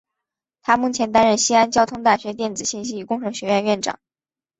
他目前担任西安交通大学电子信息与工程学院院长。